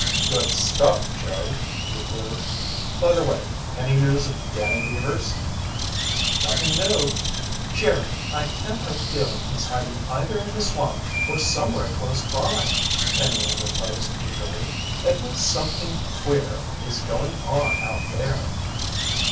"Good stuff, Jerry," he approved. "By the way, any news of Danny Deevers?" "Nothing new." "Jerry, I can't help feeling he's hiding either in the swamp or somewhere close by," Penny interposed eagerly. "At least something queer is going on out there."